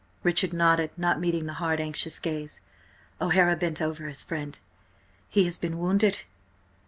Richard nodded, not meeting the hard, anxious gaze. O'Hara bent over his friend. "He has been wounded?"